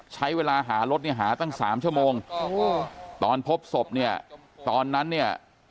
ใช้เวลาหารถเนี่ยหาตั้ง๓ชั่วโมงตอนพบศพเนี่ยตอนนั้นเนี่ย